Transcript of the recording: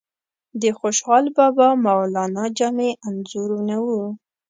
د خوشحال بابا، مولانا جامی انځورونه وو.